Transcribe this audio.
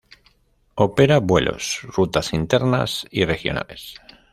Opera vuelos rutas internas y regionales.